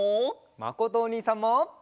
まことおにいさんも！